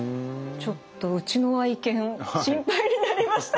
ちょっとうちの愛犬心配になりましたよね。